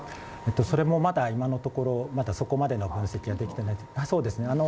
それもまだ今のところ、そこまでの分析はできていません。